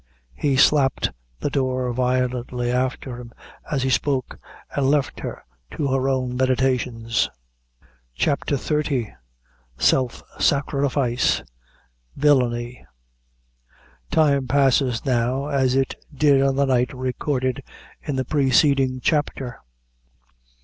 He slapped the door violently after him as he spoke, and left her to her own meditations. CHAPTER XXX. Self sacrifice Villany Time passes now as it did on the night recorded in the preceding chapter.